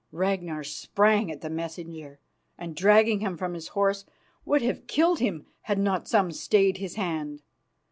Ragnar sprang at the messenger, and, dragging him from his horse, would have killed him had not some stayed his hand.